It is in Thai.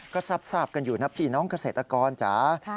ก็ทราบกันอยู่นะพี่น้องเกษตรกรจ๋า